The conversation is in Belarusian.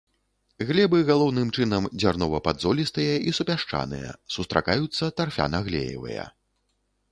Глебы галоўным чынам дзярнова-падзолістыя і супясчаныя, сустракаюцца тарфяна-глеевыя.